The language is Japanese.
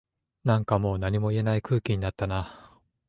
なんかもう何も言えない空気になったな